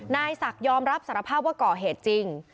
นายศักดิ์ยอมรับสารภาพว่าก่อเหตุจริง